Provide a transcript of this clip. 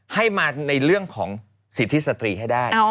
ให้มาในเรื่องของสิทธิสตรีให้ได้